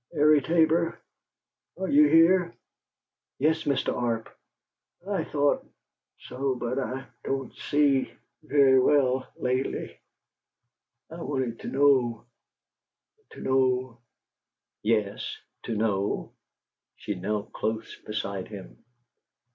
Airie Tabor, are you here?" "Yes, Mr. Arp." "I thought so but I I don't see very well lately. I wanted to know to know " "Yes to know?" She knelt close beside him.